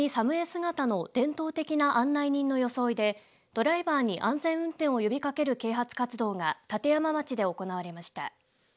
姿の伝統的な案内人の装いでドライバーに安全運転を呼びかける啓発活動が立山町で行われました。